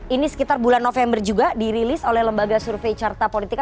ini sekitar bulan november juga dirilis oleh lembaga survei carta politika